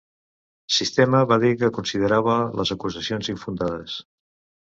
Sistema va dir que considerava les acusacions infundades.